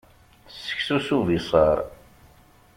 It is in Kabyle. Seksu s ubiṣar.